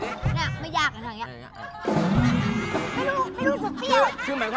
อันเนี่ยอมแบบเนี่ย